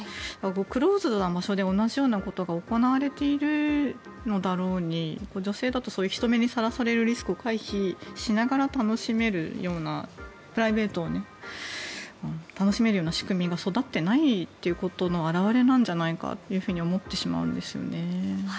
クローズドな場所で同じようなことが行われているのだろうに女性だとそういう人目にさらされるリスクを回避しながらプライベートを楽しめるような仕組みが育ってないということの表れなんじゃないかと思ってしまうんですよね。